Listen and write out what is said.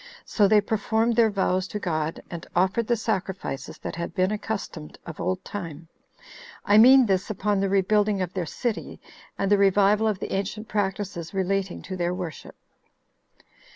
So they performed their vows to God, and offered the sacrifices that had been accustomed of old time; I mean this upon the rebuilding of their city, and the revival of the ancient practices relating to their worship.